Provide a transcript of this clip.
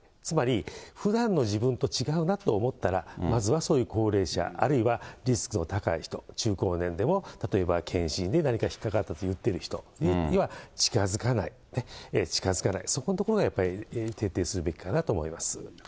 つまり、ふだんの自分と違うなと思ったら、まずはそういう高齢者、あるいはリスクの高い人、中高年でも、例えば、健診で何か引っかかったと言ってる人には近づかない、そこのところがやっぱり徹底するべきかなと思います。